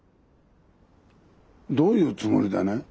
どういうつもりだね？